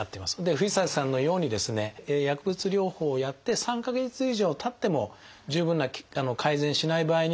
藤崎さんのようにですね薬物療法をやって３か月以上たっても十分な改善しない場合にはですね